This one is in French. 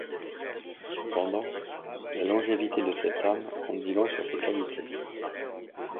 Cependant, la longévité de cette arme en dit long sur ses qualités.